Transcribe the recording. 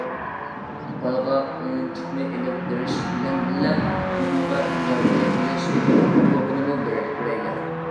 بالىغا ئويۇنچۇقنى ئېلىپ بېرىش بىلەن بىللە، ئۇنىڭغا ئىگىدارچىلىق قىلىش ھوقۇقىنىمۇ بېرەيلى.